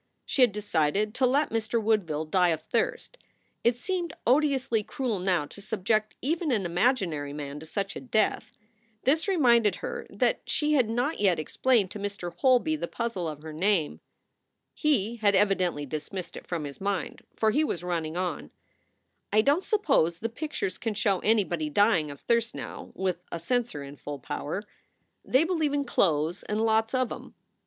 She had decided to let Mr. Woodville die of thirst. It seemed odiously cruel now to subject even an imaginary man to such a death. This reminded her that she had not yet explained to Mr. Holby the puzzle of her name. He had evidently dismissed it from his mind, for he was running on: "I don t suppose the pictures can show anybody dying of thirst now r , with a censor in full power. They believe in 148 SOULS FOR SALE clothes and lots of em.